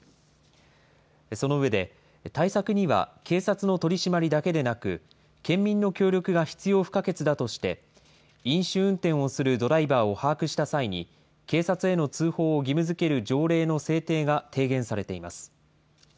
その上で、対策には警察の取締りだけでなく、県民の協力が必要不可欠だとして、飲酒運転をするドライバーを把握した際に、警察への通報を義務づける条例の制定が提言されています。